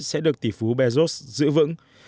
sẽ được tỷ phú bezos giữ vững